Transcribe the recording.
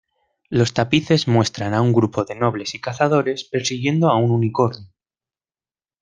Los tapices muestran a un grupo de nobles y cazadores persiguiendo a un unicornio.